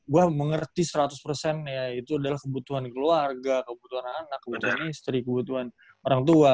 gue mengerti seratus persen ya itu adalah kebutuhan keluarga kebutuhan anak kebutuhan istri kebutuhan orang tua